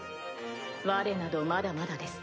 われなどまだまだです。